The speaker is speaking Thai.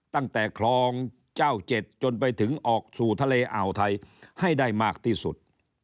ตั้งแต่คลองเจ้าเจ็ดจนไปถึงออกสู่ทะเลอ่าวไทยให้ได้มากที่สุด